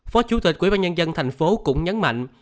phó chủ tịch quy bản nhân dân thành phố cũng nhấn mạnh